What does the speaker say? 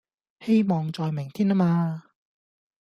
希望在明天啊嘛